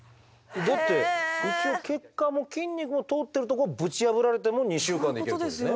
だって一応血管も筋肉も通ってるとこをぶち破られても２週間でいけるというね。